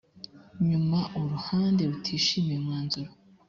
nyuma uruhande rutishimiye umwanzuro